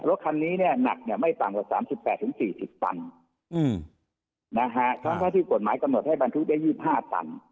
รถคันนี้เนี่ยหนักเนี่ยไม่ต่างกว่าสามสิบแปดถึงสี่สิบตันอืมนะฮะตั้งแต่ที่กฎหมายกำหนดให้บรรทุกได้ยี่สิบห้าตัน